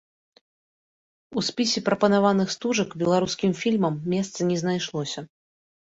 У спісе прапанаваных стужак беларускім фільмам месца не знайшлося.